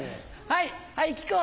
はい。